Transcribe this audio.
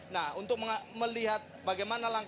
nah untuk melihat bagaimana langkah